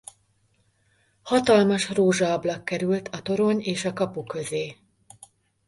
Hatalmas rózsaablak került a torony és a kapu közé.